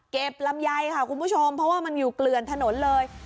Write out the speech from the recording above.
ลำไยค่ะคุณผู้ชมเพราะว่ามันอยู่เกลือนถนนเลย